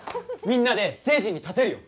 みんなでステージに立てるよ・